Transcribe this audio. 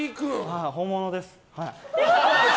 はい、本物です。